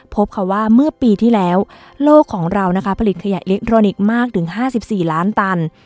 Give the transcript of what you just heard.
พบค่ะว่าเมื่อปีที่แล้วโลกของเรานะคะผลิตขยะอิเล็กทรอนิกส์มากถึง๕๔ล้านตัน